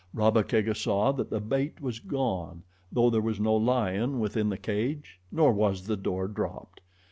Rabba Kega saw that the bait was gone, though there was no lion within the cage, nor was the door dropped.